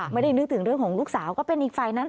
นึกถึงเรื่องของลูกสาวก็เป็นอีกฝ่ายนั้น